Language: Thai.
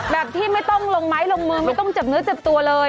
แบบที่ไม่ต้องลงไม้ลงมือไม่ต้องเจ็บเนื้อเจ็บตัวเลย